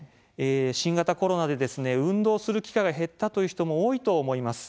新型コロナで運動する機会が減ったという人も多いと思います。